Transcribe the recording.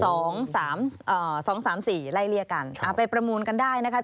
สองสามอ่าสองสามสี่ไล่เลี่ยกันอ่าไปประมูลกันได้นะคะ